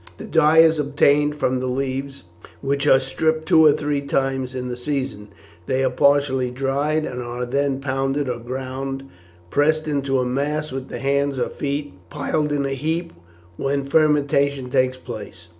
The dye is obtained from the leaves, which are stripped two or three times in the season. They are partially dried, and are then pounded or ground, pressed into a mass with the hands or feet, and piled in a heap, when fermentation takes place.